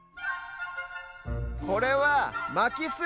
これは「まきす」。